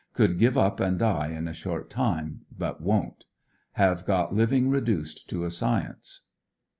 Could give up and die in a short time but won't. Have got living reduced to a science.